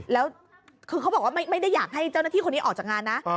แล้วคือเขาบอกว่าไม่ได้อยากให้เจ้าหน้าที่คนนี้ออกจากงานนะ